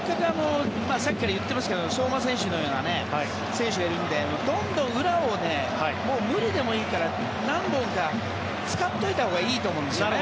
さっきから言っていますが相馬選手のような選手がいるのでどんどん裏を無理でもいいから何本か使っておいたほうがいいと思うんですよね。